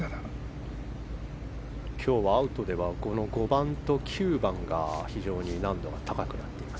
今日はアウトでは５番と９番が非常に難度が高くなっています。